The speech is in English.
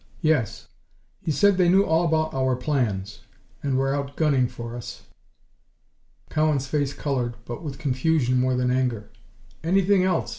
"Yes. He said they knew all about our plans, and were out gunning for us." Cowan's face colored, but with confusion more than anger. "Anything else?"